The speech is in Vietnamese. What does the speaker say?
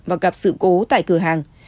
và gặp sự cố tại cửa hàng